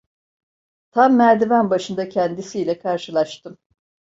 Tam merdiven başında kendisi ile karşılaştım.